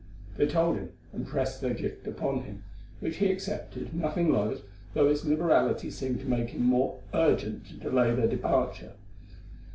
They told him, and pressed their gift upon him, which he accepted, nothing loth, though its liberality seemed to make him more urgent to delay their departure.